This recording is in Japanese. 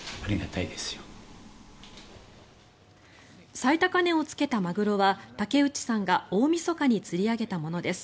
最高値をつけたマグロは竹内さんが大みそかに釣り上げたものです。